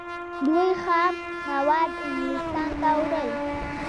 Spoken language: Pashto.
دوی خام مواد انګلستان ته وړل.